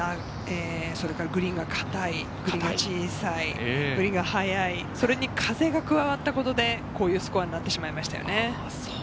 グリーンが硬い、小さい、グリーンが速い、それに風が加わったことでこういうスコアになってしまいましたよね。